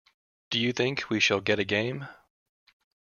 Do you think we shall get a game?